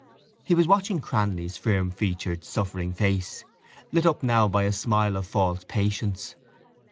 He was watching Cranly's firm featured suffering face, lit up now by a smile of false patience.